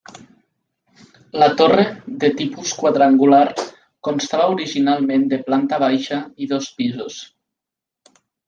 La torre, de tipus quadrangular, constava originalment de planta baixa i dos pisos.